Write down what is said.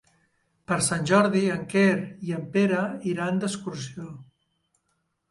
Per Sant Jordi en Quer i en Pere iran d'excursió.